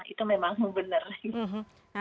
itu memang benar